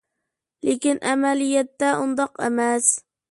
لېكىن، ئەمەلىيەتتە ئۇنداق ئەمەس.